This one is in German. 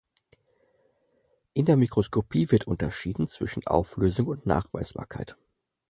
In der Mikroskopie wird unterschieden zwischen Auflösung und Nachweisbarkeit.